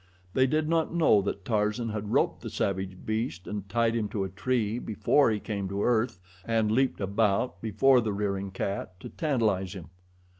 They did not know that Tarzan had roped the savage beast and tied him to a tree before he came to earth and leaped about before the rearing cat, to tantalize him.